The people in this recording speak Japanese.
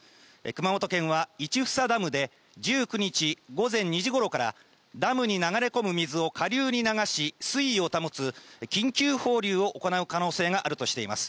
熊本県は市房ダムで１９日午前２時ごろから、ダムに流れ込む水を下流に流し、水位を保つ緊急放流を行う可能性があるとしています。